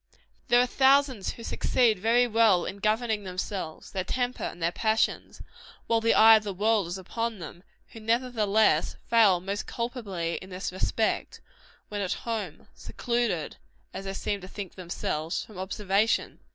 There are thousands who succeed very well in governing themselves their temper and their passions while the eye of the world is upon them, who, nevertheless, fail most culpably in this respect, when at home, secluded, as they seem to think themselves, from observation.